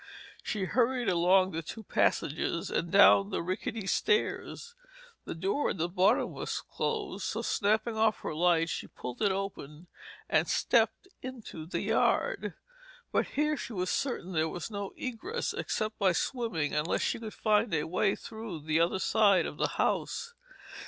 She hurried along the two passages and down the rickety stairs. The door at the bottom was closed, so snapping off her light, she pulled it open and stepped into the yard. But here she was certain there was no egress except by swimming unless she could find a way through the other side of the house.